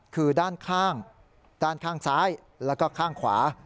คือด้านข้างด้านข้างซ้ายแล้วก็ข้างขวา